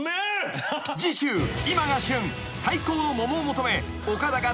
［次週今が旬最高の桃を求め岡田が］